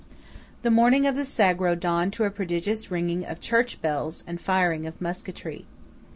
THE morning of the Sagro dawned to a prodigious ringing of church bells and firing of musketry.